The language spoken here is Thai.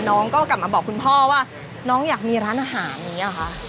น้องก็กลับมาบอกคุณพ่อว่าน้องอยากมีร้านอาหารอย่างนี้หรอคะ